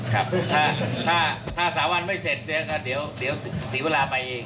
ครับถ้าสาวรรค์ไม่เสร็จเดี๋ยวสีเวลาไปเอง